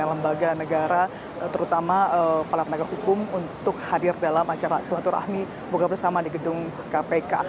lembaga negara terutama para penegak hukum untuk hadir dalam acara silaturahmi buka bersama di gedung kpk